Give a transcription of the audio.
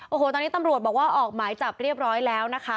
โอ้โหตอนนี้ตำรวจบอกว่าออกหมายจับเรียบร้อยแล้วนะคะ